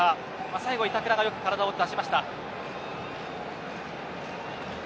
最後は板倉がよく体を出しました。